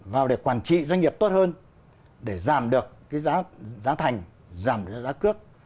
vào để quản trị doanh nghiệp tốt hơn để giảm được giá thành giảm được giá cước